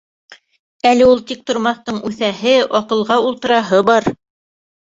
Әле ул тик тормаҫтың үҫәһе, аҡылға ултыраһы бар.